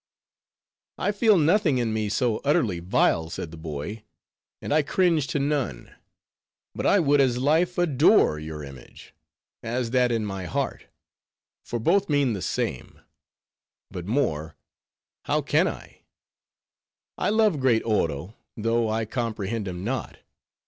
"I feel nothing in me so utterly vile," said the boy, "and I cringe to none. But I would as lief adore your image, as that in my heart, for both mean the same; but more, how can I? I love great Oro, though I comprehend him not.